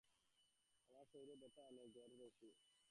আমার শরীরে ব্যথা অনেক এবং অনেক জ্বর শরীরে।